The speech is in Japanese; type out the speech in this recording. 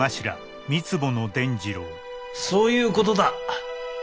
そういうことだ。